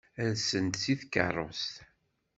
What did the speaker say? Rsen-d seg tkeṛṛust.